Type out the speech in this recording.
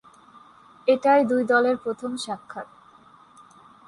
এটিই দুই দলের প্রথম সাক্ষাৎ।